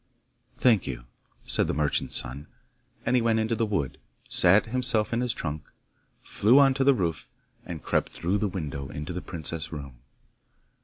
'Thank you,' said the merchant's son, and he went into the wood, sat himself in his trunk, flew on to the roof, and crept through the window into the princess's room.